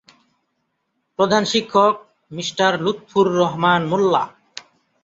প্রধান শিক্ষক- মিঃ লুৎফুর রহমান মোল্লা।